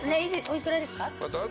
お幾らですか？